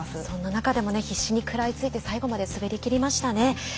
そんな中でも必死に食らいついて最後まで滑りきりましたね。